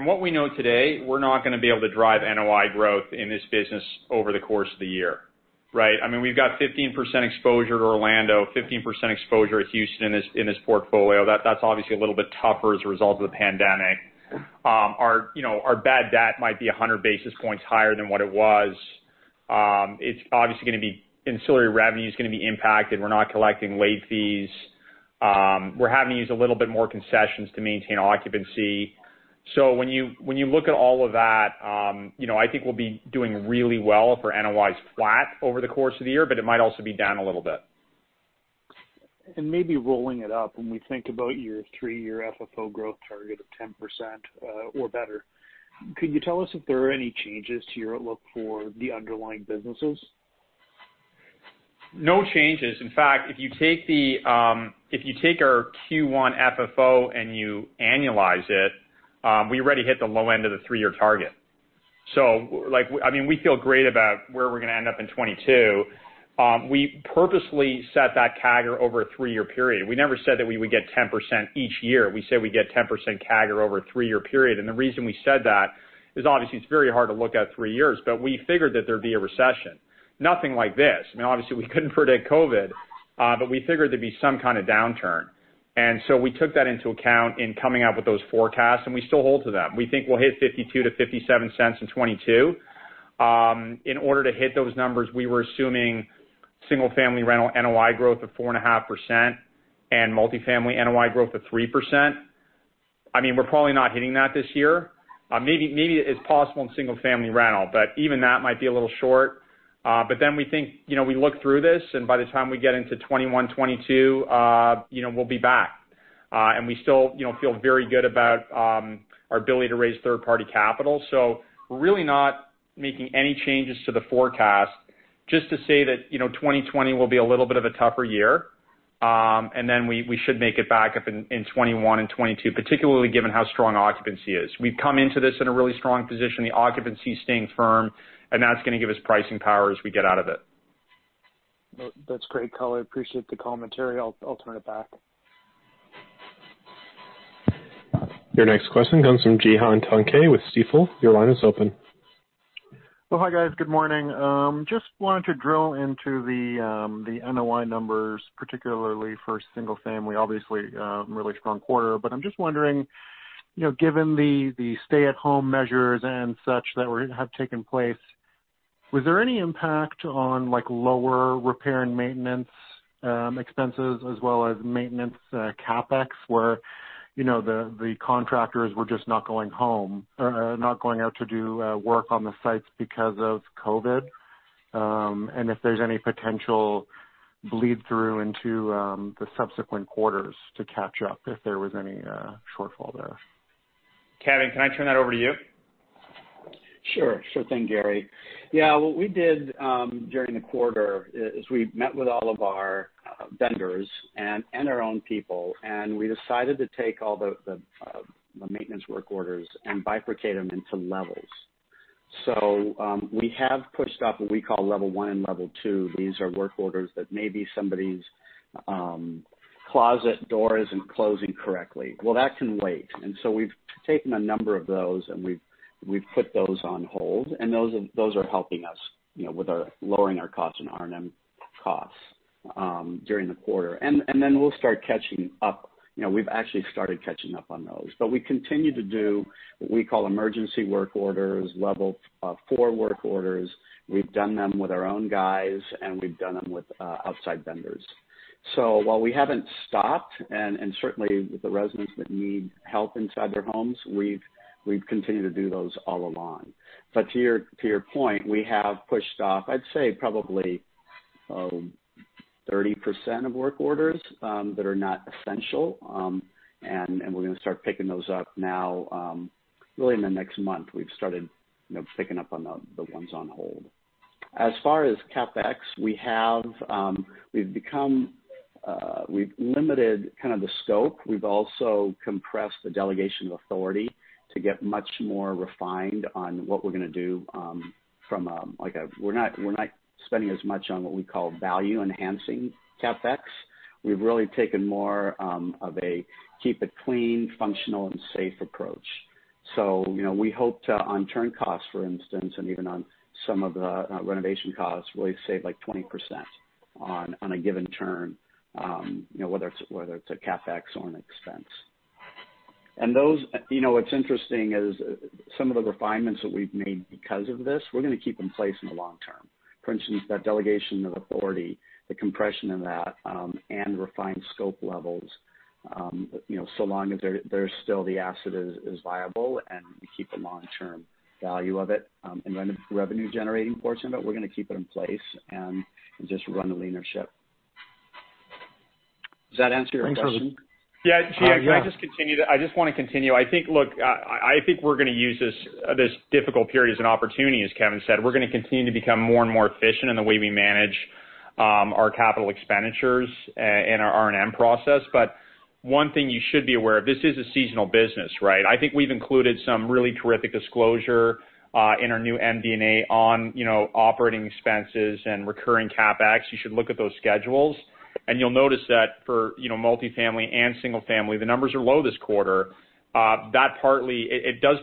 what we know today, we're not going to be able to drive NOI growth in this business over the course of the year. Right? We've got 15% exposure to Orlando, 15% exposure to Houston in this portfolio. That's obviously a little bit tougher as a result of the pandemic. Our bad debt might be 100 basis points higher than what it was. Ancillary revenue's going to be impacted. We're not collecting late fees. We're having to use a little bit more concessions to maintain occupancy. When you look at all of that, I think we'll be doing really well if our NOI's flat over the course of the year, but it might also be down a little bit. Maybe rolling it up, when we think about your 3-year FFO growth target of 10% or better, could you tell us if there are any changes to your outlook for the underlying businesses? No changes. In fact, if you take our Q1 FFO and you annualize it, we already hit the low end of the 3-year target. We feel great about where we're going to end up in 2022. We purposely set that CAGR over a 3-year period. We never said that we would get 10% each year. We said we'd get 10% CAGR over a 3-year period. The reason we said that is obviously it's very hard to look out 3 years, but we figured that there'd be a recession. Nothing like this. Obviously we couldn't predict COVID, but we figured there'd be some kind of downturn. We took that into account in coming up with those forecasts, and we still hold to them. We think we'll hit $0.52-$0.57 in 2022. In order to hit those numbers, we were assuming single-family rental NOI growth of 4.5% and multifamily NOI growth of 3%. We're probably not hitting that this year. Maybe it's possible in single-family rental, but even that might be a little short. We look through this, and by the time we get into 2021, 2022, we'll be back. We still feel very good about our ability to raise third-party capital. We're really not making any changes to the forecast. Just to say that 2020 will be a little bit of a tougher year, and then we should make it back up in 2021 and 2022, particularly given how strong occupancy is. We've come into this in a really strong position, the occupancy staying firm, and that's going to give us pricing power as we get out of it. That's great color. I appreciate the commentary. I'll turn it back. Your next question comes from Stephen Tanal with Stifel. Your line is open. Hi, guys. Good morning. Just wanted to drill into the NOI numbers, particularly for single family. Obviously, a really strong quarter, but I'm just wondering, given the stay-at-home measures and such that have taken place, was there any impact on lower repair and maintenance expenses as well as maintenance CapEx, where the contractors were just not going out to do work on the sites because of COVID-19? If there's any potential bleed through into the subsequent quarters to catch up if there was any shortfall there. Kevin, can I turn that over to you? Sure thing, Gary. Yeah, what we did during the quarter is we met with all of our vendors and our own people. We decided to take all the maintenance work orders and bifurcate them into levels. We have pushed up what we call level 1 and level 2. These are work orders that maybe somebody's closet door isn't closing correctly. Well, that can wait. We've taken a number of those, and we've put those on hold, and those are helping us with lowering our costs and R&M costs during the quarter. We'll start catching up. We've actually started catching up on those. We continue to do what we call emergency work orders, level 4 work orders. We've done them with our own guys, and we've done them with outside vendors. While we haven't stopped, and certainly with the residents that need help inside their homes, we've continued to do those all along. To your point, we have pushed off, I'd say probably 30% of work orders that are not essential, and we're going to start picking those up now, really in the next month. We've started picking up on the ones on hold. As far as CapEx, we've limited kind of the scope. We've also compressed the delegation of authority to get much more refined on what we're going to do. We're not spending as much on what we call value-enhancing CapEx. We've really taken more of a keep it clean, functional, and safe approach. We hope to, on turn costs, for instance, and even on some of the renovation costs, really save like 20% on a given turn, whether it's a CapEx or an expense. What's interesting is some of the refinements that we've made because of this, we're going to keep in place in the long term. For instance, that delegation of authority, the compression of that, and refined scope levels, so long as the asset is viable and we keep the long-term value of it and revenue-generating portion of it, we're going to keep it in place and just run a leaner ship. Does that answer your question? Thanks for. Yeah. Yeah. Can I just continue that? I just want to continue. Look, I think we're going to use this difficult period as an opportunity, as Kevin said. We're going to continue to become more and more efficient in the way we manage our capital expenditures and our R&M process. One thing you should be aware of, this is a seasonal business, right? I think we've included some really terrific disclosure in our new MD&A on operating expenses and recurring CapEx. You should look at those schedules, and you'll notice that for multifamily and single family, the numbers are low this quarter. It does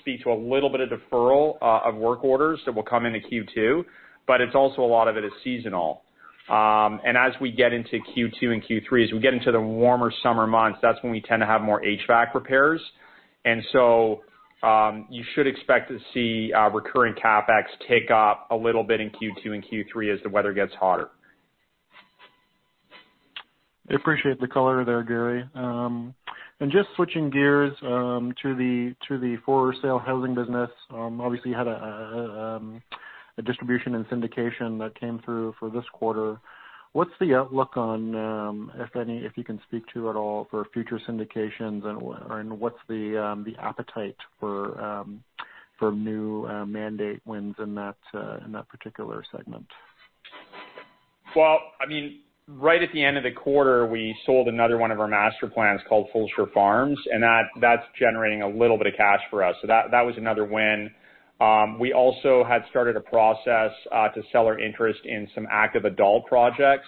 speak to a little bit of deferral of work orders that will come into Q2, but it's also a lot of it is seasonal. As we get into Q2 and Q3, as we get into the warmer summer months, that's when we tend to have more HVAC repairs. You should expect to see recurring CapEx tick up a little bit in Q2 and Q3 as the weather gets hotter. I appreciate the color there, Gary. Just switching gears to the for sale housing business, obviously you had a distribution and syndication that came through for this quarter. What's the outlook on, if you can speak to at all, for future syndications and what's the appetite for new mandate wins in that particular segment? Right at the end of the quarter, we sold another one of our master plans called Fulshear Farms, and that's generating a little bit of cash for us. That was another win. We also had started a process to sell our interest in some active adult projects.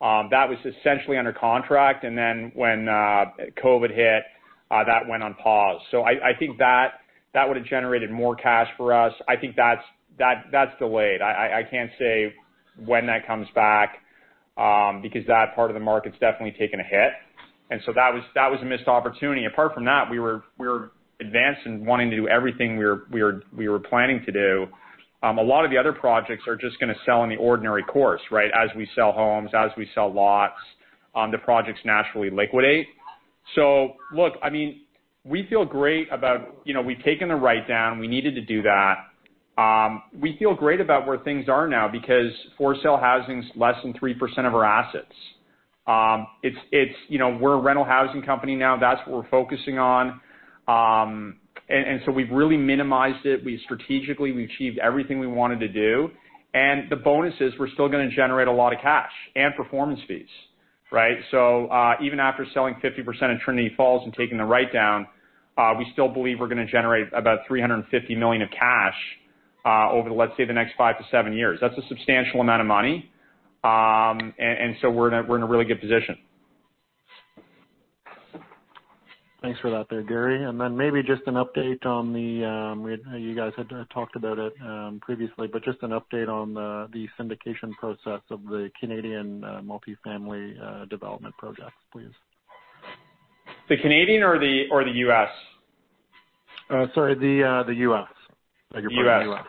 That was essentially under contract, and then when COVID hit, that went on pause. I think that would have generated more cash for us. I think that's delayed. I can't say when that comes back, because that part of the market's definitely taken a hit, and so that was a missed opportunity. Apart from that, we were advanced in wanting to do everything we were planning to do. A lot of the other projects are just going to sell in the ordinary course, right? As we sell homes, as we sell lots, the projects naturally liquidate. Look, we've taken the write-down. We needed to do that. We feel great about where things are now because for sale housing's less than 3% of our assets. We're a rental housing company now. That's what we're focusing on. We've really minimized it. Strategically, we've achieved everything we wanted to do. The bonus is we're still going to generate a lot of cash and performance fees, right? Even after selling 50% of Trinity Falls and taking the write-down, we still believe we're going to generate about $350 million of cash over, let's say, the next 5 to 7 years. That's a substantial amount of money, we're in a really good position. Thanks for that there, Gary. Maybe just an update. You guys had talked about it previously, but just an update on the syndication process of the Canadian multifamily development projects, please. The Canadian or the U.S.? Sorry, the U.S. US. Like you're part of the U.S.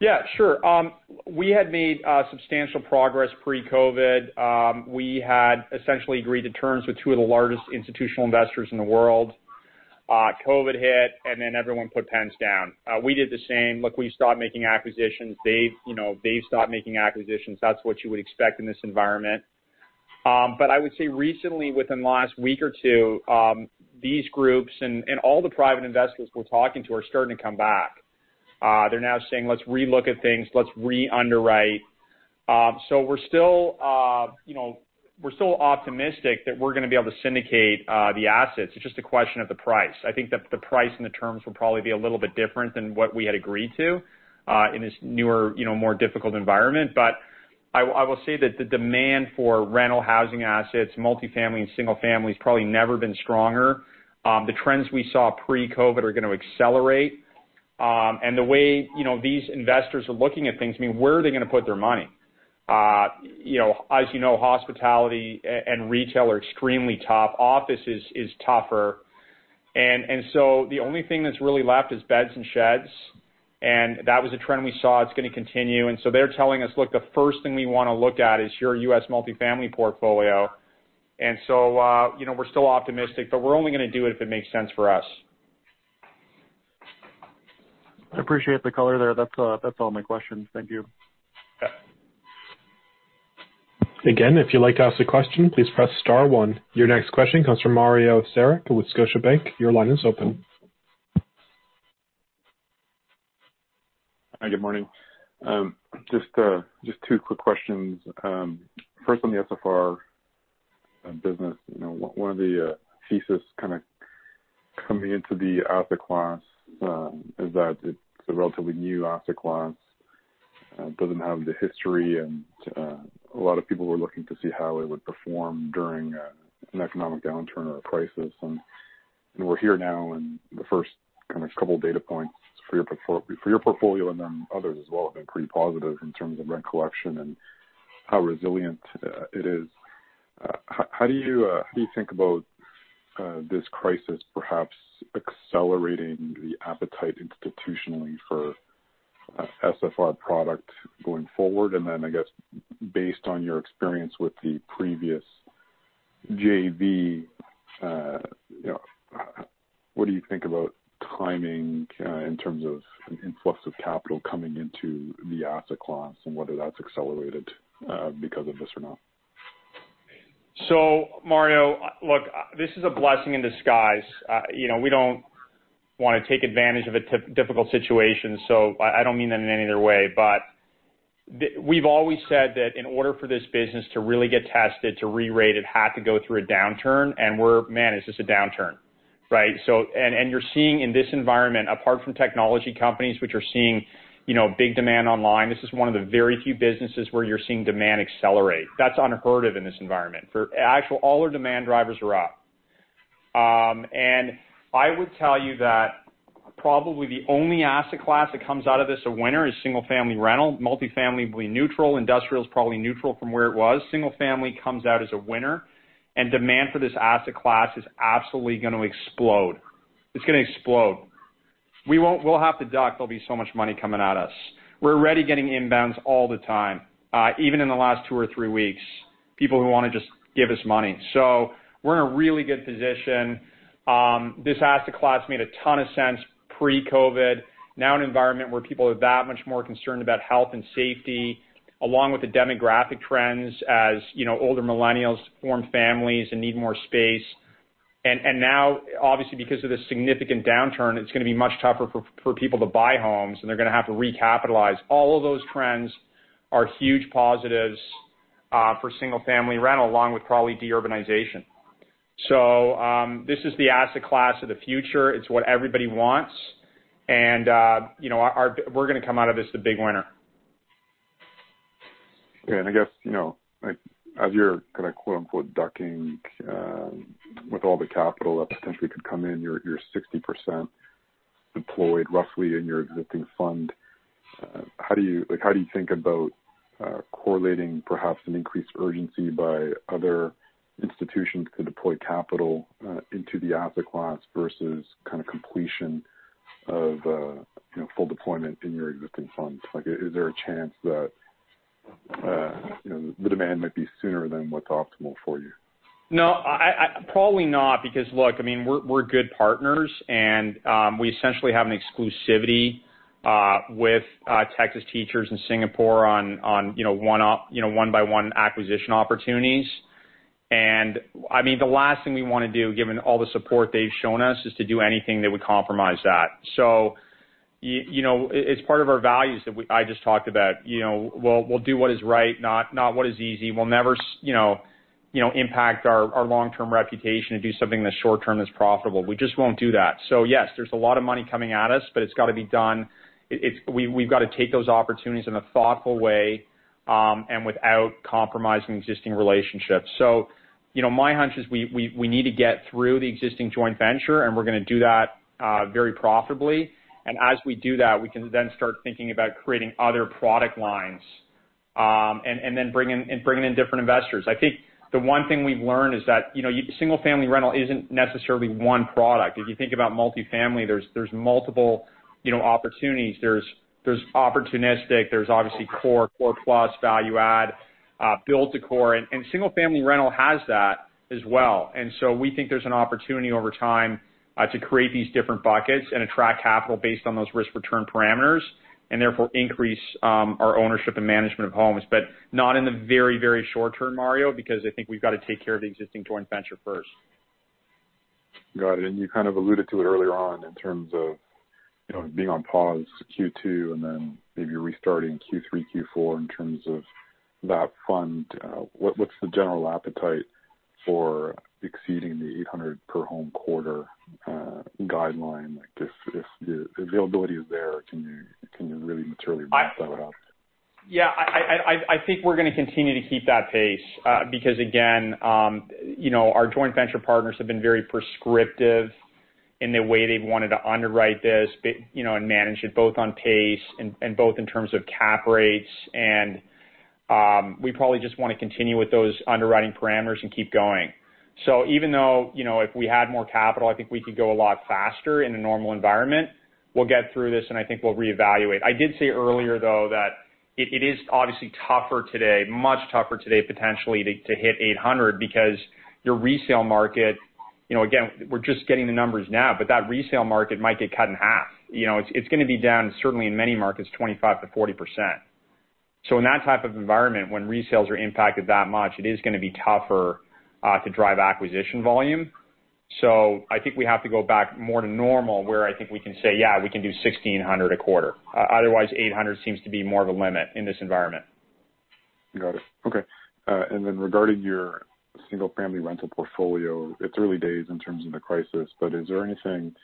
Yeah, sure. We had made substantial progress pre-COVID. We had essentially agreed to terms with two of the largest institutional investors in the world. COVID hit, everyone put pens down. We did the same. Look, we stopped making acquisitions. They've stopped making acquisitions. That's what you would expect in this environment. I would say recently, within the last week or two, these groups and all the private investors we're talking to are starting to come back. They're now saying, "Let's re-look at things. Let's re-underwrite." We're still optimistic that we're going to be able to syndicate the assets. It's just a question of the price. I think that the price and the terms will probably be a little bit different than what we had agreed to, in this newer, more difficult environment. I will say that the demand for rental housing assets, multifamily and single family, has probably never been stronger. The trends we saw pre-COVID are going to accelerate. The way these investors are looking at things, where are they going to put their money? As you know, hospitality and retail are extremely tough. Office is tougher. The only thing that's really left is beds and sheds, and that was a trend we saw. It's going to continue. They're telling us, "Look, the first thing we want to look at is your U.S. multifamily portfolio." We're still optimistic, but we're only going to do it if it makes sense for us. I appreciate the color there. That's all my questions. Thank you. Yeah. Again, if you'd like to ask a question, please press star one. Your next question comes from Mario Saric with Scotiabank. Your line is open. Hi, good morning. Just two quick questions. First, on the SFR business. One of the thesis kind of coming into the asset class is that it's a relatively new asset class, doesn't have the history, and a lot of people were looking to see how it would perform during an economic downturn or a crisis. We're here now in the first kind of couple of data points for your portfolio, and then others as well, have been pretty positive in terms of rent collection and how resilient it is. How do you think about this crisis perhaps accelerating the appetite institutionally for SFR product going forward? Then, I guess, based on your experience with the previous JV, what do you think about timing in terms of an influx of capital coming into the asset class and whether that's accelerated because of this or not? Mario, look, this is a blessing in disguise. We don't want to take advantage of a difficult situation, so I don't mean that in any other way. We've always said that in order for this business to really get tested, to re-rate, it had to go through a downturn. We're managed as a downturn, right? You're seeing in this environment, apart from technology companies which are seeing big demand online, this is one of the very few businesses where you're seeing demand accelerate. That's unheard of in this environment. All our demand drivers are up. I would tell you that probably the only asset class that comes out of this a winner is single-family rental. Multifamily will be neutral. Industrial is probably neutral from where it was. Single-family comes out as a winner. Demand for this asset class is absolutely going to explode. It's going to explode. We'll have to duck, there'll be so much money coming at us. We're already getting inbounds all the time. Even in the last two or three weeks, people who want to just give us money. We're in a really good position. This asset class made a ton of sense pre-COVID. Now, in an environment where people are that much more concerned about health and safety, along with the demographic trends, as older millennials form families and need more space. Now, obviously because of this significant downturn, it's going to be much tougher for people to buy homes, and they're going to have to recapitalize. All of those trends are huge positives for single-family rental, along with probably de-urbanization. This is the asset class of the future. It's what everybody wants. We're going to come out of this the big winner. Yeah. I guess, as you're quote unquote "ducking" with all the capital that potentially could come in, you're 60% deployed roughly in your existing fund. How do you think about correlating perhaps an increased urgency by other institutions to deploy capital into the asset class versus kind of completion of full deployment in your existing funds? Is there a chance that the demand might be sooner than what's optimal for you? No, probably not, because look, we're good partners and we essentially have an exclusivity with Texas Teachers in Singapore on one-by-one acquisition opportunities. The last thing we want to do, given all the support they've shown us, is to do anything that would compromise that. It's part of our values that I just talked about. We'll do what is right, not what is easy. We'll never impact our long-term reputation to do something that's short-term that's profitable. We just won't do that. Yes, there's a lot of money coming at us, but it's got to be done. We've got to take those opportunities in a thoughtful way, and without compromising existing relationships. My hunch is we need to get through the existing joint venture, and we're going to do that very profitably. As we do that, we can then start thinking about creating other product lines, and then bring in different investors. I think the one thing we've learned is that single-family rental isn't necessarily one product. If you think about multifamily, there's multiple opportunities. There's opportunistic, there's obviously core plus, value add, build to core. Single-family rental has that as well. We think there's an opportunity over time to create these different buckets and attract capital based on those risk return parameters, and therefore increase our ownership and management of homes. Not in the very short term, Mario, because I think we've got to take care of the existing joint venture first. Got it. You kind of alluded to it earlier on in terms of being on pause Q2 and then maybe restarting Q3, Q4 in terms of that fund. What's the general appetite for exceeding the 800 per home quarter guideline? If the availability is there, can you really materially ramp that up? Yeah. I think we're going to continue to keep that pace. Because again, our joint venture partners have been very prescriptive in the way they've wanted to underwrite this and manage it both on pace and both in terms of cap rates. We probably just want to continue with those underwriting parameters and keep going. Even though, if we had more capital, I think we could go a lot faster in a normal environment. We'll get through this, and I think we'll reevaluate. I did say earlier, though, that it is obviously tougher today, much tougher today, potentially, to hit 800 because your resale market, again, we're just getting the numbers now, but that resale market might get cut in half. It's going to be down certainly in many markets, 25%-40%. In that type of environment, when resales are impacted that much, it is going to be tougher to drive acquisition volume. I think we have to go back more to normal, where I think we can say, "Yeah, we can do 1,600 a quarter." Otherwise, 800 seems to be more of a limit in this environment. Got it. Okay. Regarding your single-family rental portfolio, it's early days in terms of the crisis, but is there anything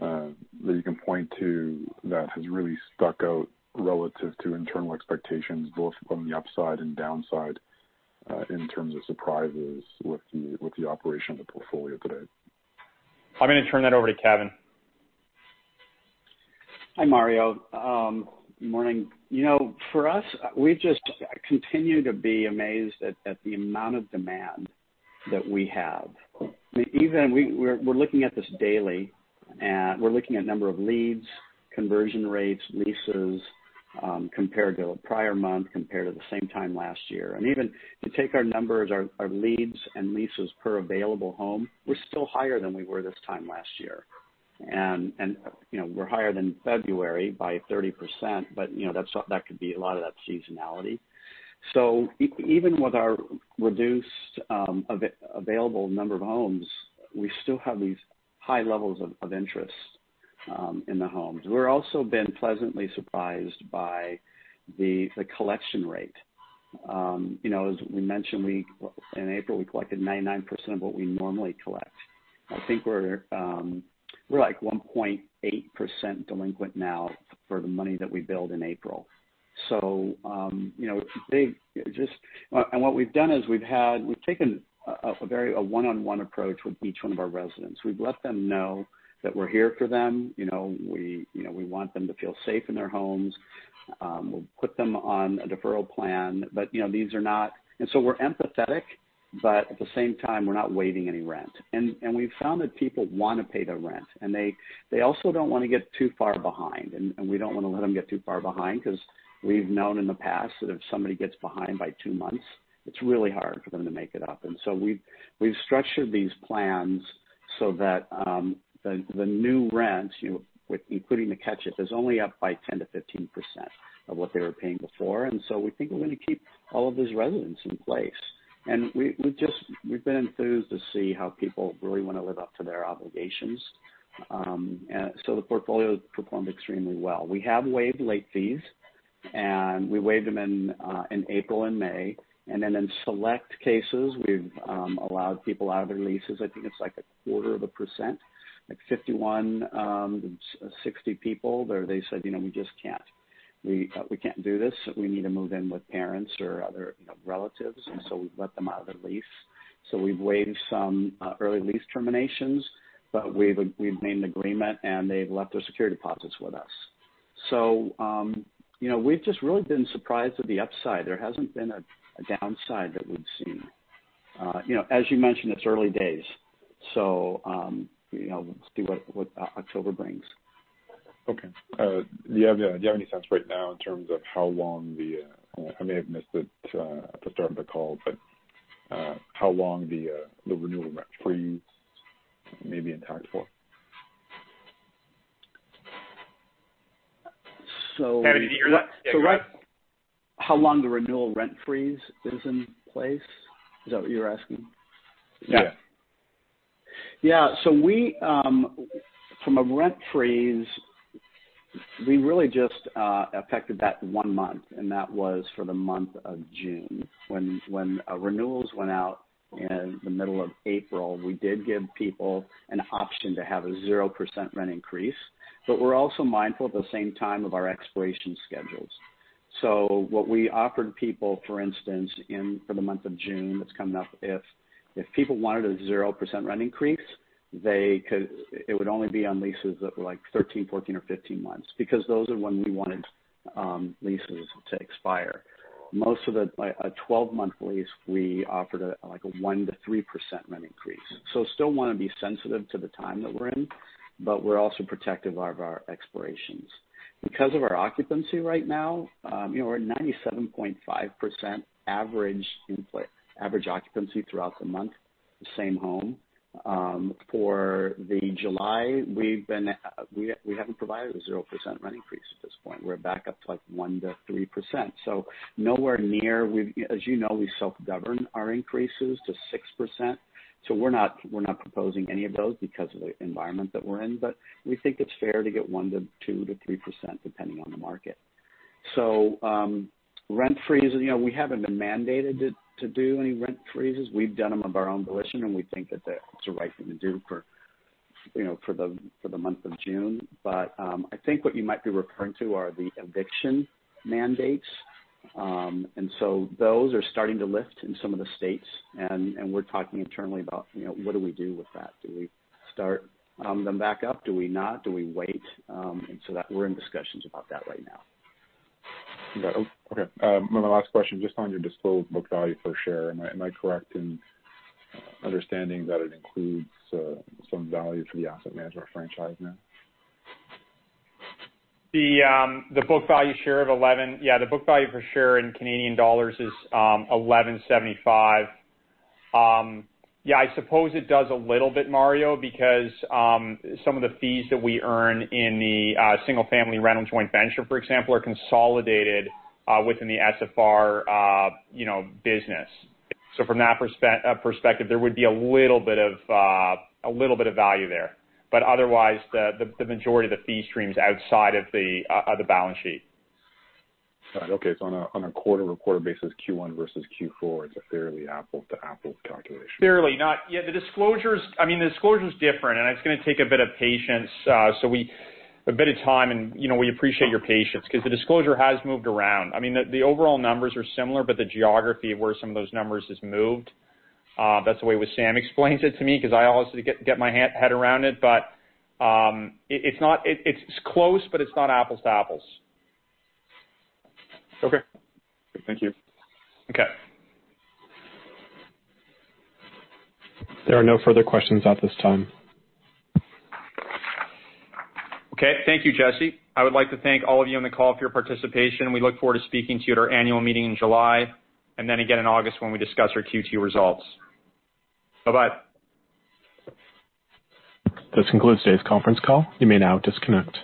that you can point to that has really stuck out relative to internal expectations, both on the upside and downside, in terms of surprises with the operation of the portfolio today? I'm going to turn that over to Kevin. Hi, Mario. Morning. For us, we just continue to be amazed at the amount of demand that we have. We're looking at this daily. We're looking at number of leads, conversion rates, leases, compared to the prior month, compared to the same time last year. Even to take our numbers, our leads and leases per available home, we're still higher than we were this time last year. We're higher than February by 30%, but that could be a lot of that seasonality. Even with our reduced available number of homes, we still have these high levels of interest in the homes. We're also been pleasantly surprised by the collection rate. As we mentioned, in April, we collected 99% of what we normally collect. I think we're like 1.8% delinquent now for the money that we billed in April. What we've done is we've taken a one-on-one approach with each one of our residents. We've let them know that we're here for them. We want them to feel safe in their homes. We'll put them on a deferral plan. We're empathetic, but at the same time, we're not waiving any rent. We've found that people want to pay their rent, and they also don't want to get too far behind. We don't want to let them get too far behind because we've known in the past that if somebody gets behind by two months, it's really hard for them to make it up. We've structured these plans so that the new rent, including the catch-up, is only up by 10%-15% of what they were paying before. We think we're going to keep all of those residents in place. We've been enthused to see how people really want to live up to their obligations. The portfolio's performed extremely well. We have waived late fees, and we waived them in April and May. In select cases, we've allowed people out of their leases. I think it's like a quarter of a percent, like 51, 60 people. They said, "We just can't. We can't do this. We need to move in with parents or other relatives." We've let them out of their lease. We've waived some early lease terminations, but we've made an agreement and they've left their security deposits with us. We've just really been surprised at the upside. There hasn't been a downside that we've seen. As you mentioned, it's early days, let's see what October brings. Okay. Do you have any sense right now in terms of how long the renewal rent freeze may be intact for? Kevin, did you hear that? Yeah, go ahead. How long the renewal rent freeze is in place? Is that what you're asking? Yeah. From a rent freeze, we really just affected that one month, and that was for the month of June. When renewals went out in the middle of April, we did give people an option to have a 0% rent increase. We're also mindful at the same time of our expiration schedules. What we offered people, for instance, for the month of June that's coming up, if people wanted a 0% rent increase, it would only be on leases that were like 13, 14 or 15 months, because those are when we wanted leases to expire. Most of a 12-month lease, we offered a 1% to 3% rent increase. Still want to be sensitive to the time that we're in, but we're also protective of our expirations. Because of our occupancy right now, we're at 97.5% average occupancy throughout the month, the same home. For the July, we haven't provided a 0% rent increase at this point. We're back up to like 1%-3%. As you know, we self-govern our increases to 6%, so we're not proposing any of those because of the environment that we're in. We think it's fair to get 1%-3% depending on the market. Rent freeze, we haven't been mandated to do any rent freezes. We've done them of our own volition, and we think that it's the right thing to do for the month of June. I think what you might be referring to are the eviction mandates. Those are starting to lift in some of the states, and we're talking internally about what do we do with that. Do we start them back up? Do we not? Do we wait? We're in discussions about that right now. Got it. Okay. My last question, just on your disclosed book value per share. Am I correct in understanding that it includes some value for the asset management franchise now? The book value per share in Canadian dollars is CA$11.75. Yeah, I suppose it does a little bit, Mario, because some of the fees that we earn in the single-family rental joint venture, for example, are consolidated within the SFR business. From that perspective, there would be a little bit of value there. Otherwise, the majority of the fee stream's outside of the balance sheet. Got it. Okay. On a quarter-over-quarter basis, Q1 versus Q4, it's a fairly apple-to-apple calculation. Fairly. The disclosure's different. It's going to take a bit of patience, a bit of time, and we appreciate your patience because the disclosure has moved around. The overall numbers are similar, but the geography of where some of those numbers has moved, that's the way Wissam explains it to me because I obviously get my head around it. It's close, but it's not apples to apples. Okay. Thank you. Okay. There are no further questions at this time. Okay. Thank you, Jesse. I would like to thank all of you on the call for your participation. We look forward to speaking to you at our annual meeting in July, and then again in August when we discuss our Q2 results. Bye-bye. This concludes today's conference call. You may now disconnect.